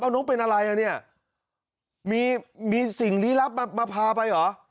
น้องเป็นอะไรอ่ะเนี่ยมีมีสิ่งลี้ลับมาพาไปเหรอ